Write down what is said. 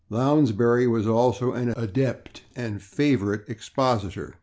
Lounsbury was also an adept and favorite expositor.